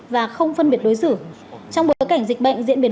và không phân biệt đối xử trong bối cảnh dịch bệnh diễn biến